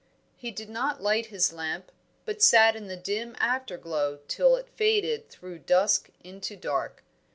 He did not light his lamp, but sat in the dim afterglow till it faded through dusk into dark.